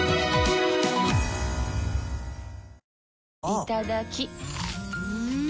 いただきっ！